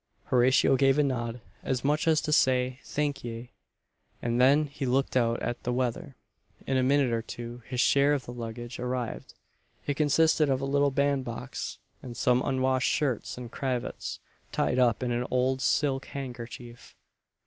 Horatio gave a nod, as much as to say "thank ye," and then he looked out at the weather. In a minute or two his share of the "luggage" arrived. It consisted of a little band box, and some unwashed shirts and cravats tied up in an old silk handkerchief.